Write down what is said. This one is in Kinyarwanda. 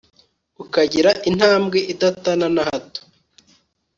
ukagira intambwe idatana na hato